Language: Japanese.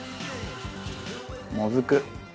もずく。